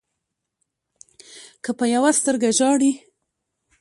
که په يوه سترګه ژاړې